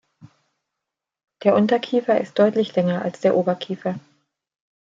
Der Unterkiefer ist deutlich länger als der Oberkiefer.